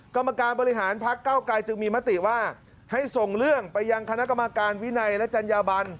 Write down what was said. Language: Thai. กรรมการบริหารพักเก้าไกรจึงมีมติว่าให้ส่งเรื่องไปยังคณะกรรมการวินัยและจัญญาบัน